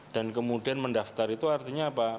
dan kemudian mendaftar itu artinya apa